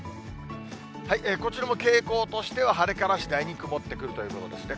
こちらも傾向としては、晴れから次第に曇ってくるということですね。